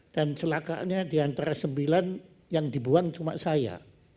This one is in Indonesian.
dan celakanya diantara sembilan yang dibuang cuma saya